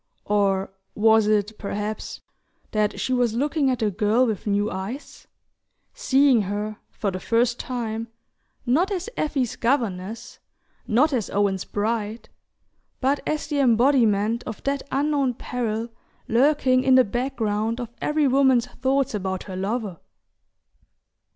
Or was it, perhaps, that she was looking at the girl with new eyes: seeing her, for the first time, not as Effie's governess, not as Owen's bride, but as the embodiment of that unknown peril lurking in the background of every woman's thoughts about her lover?